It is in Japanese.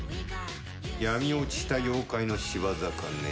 闇落ちした妖怪の仕業かね？